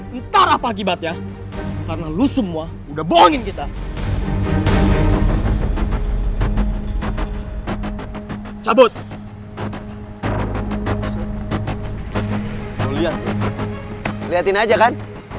ntar apa akibatnya karena lu semua udah bohongin kita cabut lihatin aja kan